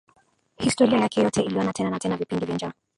Historia yake yote iliona tena na tena vipindi vya njaa